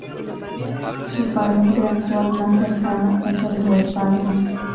Su pariente actual más cercano es el guepardo.